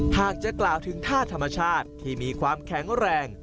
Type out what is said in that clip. หากจะกล่าวถึงท่าธรรมชาติที่มีความแข็งแรง